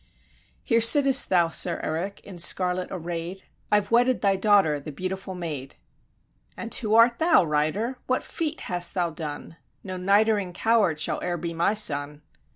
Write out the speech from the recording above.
"Here sitt'st thou, Sir Erik, in scarlet array'd; I've wedded thy daughter, the beautiful maid." "And who art thou, Rider? what feat hast thou done? No nidering coward shall e'er be my son."